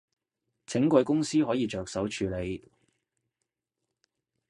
請貴公司可以着手處理